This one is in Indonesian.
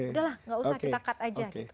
udah lah gak usah kita cut aja gitu